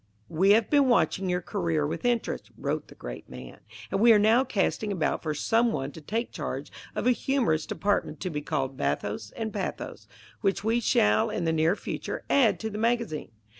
"We have been watching your career with interest," wrote the great man, "and we are now casting about for some one to take charge of a humorous department to be called 'Bathos and Pathos,' which we shall, in the near future, add to the magazine.